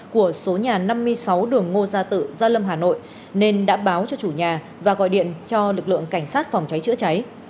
của số nhà năm mươi sáu đường ngô gia tự gia lâm hà nội nên đã báo cho chủ nhà và gọi điện cho lực lượng cảnh sát phòng cháy chữa cháy